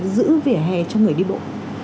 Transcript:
cho người đi bộ